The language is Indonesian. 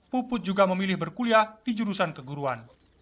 puput juga memilih berkuliah di jurusan keguruan